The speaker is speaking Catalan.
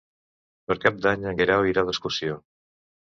Per Cap d'Any en Guerau irà d'excursió.